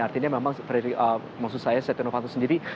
artinya memang setia novanto sendiri tidak terlalu banyak yang bisa dikawal